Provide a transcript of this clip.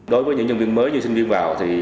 đối với những nhân viên mới như sinh viên vào